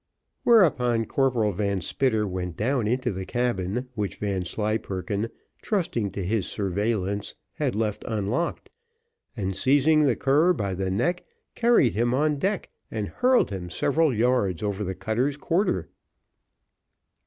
Whereupon Corporal Van Spitter went down into the cabin, which Vanslyperken, trusting to his surveillance, had left unlocked, and seizing the cur by the neck, carried him on deck, and hurled him several yards over the cutter's quarter.